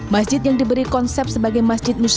masjid yang diberi konsep sebagai masjid muslim